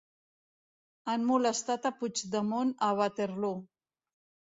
Han molestat a Puigdemont a Waterloo